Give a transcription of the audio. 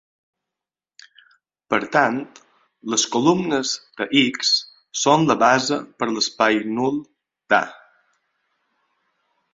Per tant, les columnes de X són la base per l'espai nul d'A.